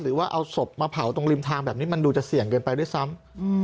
หรือว่าเอาศพมาเผาตรงริมทางแบบนี้มันดูจะเสี่ยงเกินไปด้วยซ้ำ